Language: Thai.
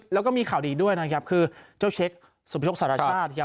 แล้วก็มีข่าวดีด้วยนะครับคือเจ้าเช็คสุพชกสารชาติครับ